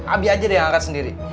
abi aja deh yang angkat sendiri